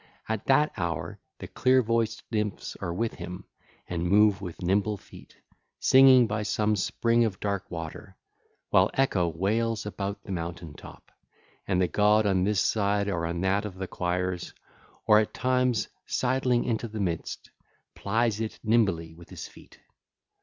At that hour the clear voiced nymphs are with him and move with nimble feet, singing by some spring of dark water, while Echo wails about the mountain top, and the god on this side or on that of the choirs, or at times sidling into the midst, plies it nimbly with his feet.